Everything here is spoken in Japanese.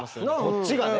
こっちがね。